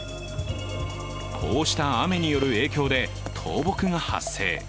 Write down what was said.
こうした雨による影響で倒木が発生。